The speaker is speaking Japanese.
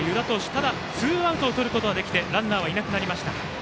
ただ、ツーアウトをとることができてランナーはいなくなりました。